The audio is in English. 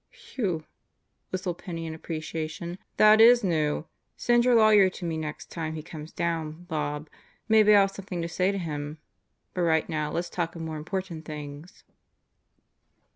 "Whew!" whistled Penney in appreciation. "That is new! Send your lawyer to me next time he comes down, Bob. Maybe I'll have something to say to him. But right now let's talk of more important things."